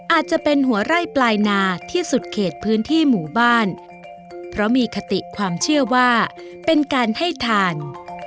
อาจจะเป็นหัวไร่ปลายนาที่สุดเขตพื้นที่หมู่บ้านเพราะมีคติความเชื่อว่าเป็นการให้ทาน